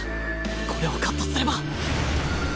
これをカットすれば